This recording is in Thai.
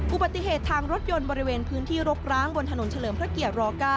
อุบัติเหตุทางรถยนต์บริเวณพื้นที่รกร้างบนถนนเฉลิมพระเกียร๙